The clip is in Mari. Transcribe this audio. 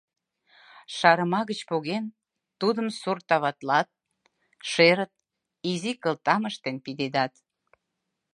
Шарыма гыч поген, тудым сортоватлат, шерыт, изи кылтам ыштен пидедат.